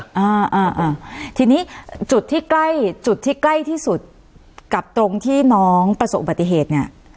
อ่าอ่าทีนี้จุดที่ใกล้จุดที่ใกล้ที่สุดกับตรงที่น้องประสบอุบัติเหตุเนี่ย